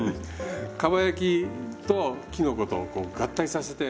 かば焼きときのことこう合体させて。